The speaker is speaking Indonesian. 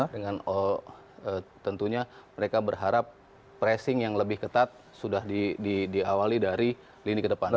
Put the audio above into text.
dengan tentunya mereka berharap pressing yang lebih ketat sudah diawali dari lini ke depan